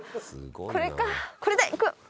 これかこれでいく！